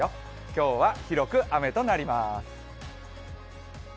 今日は広く雨となります。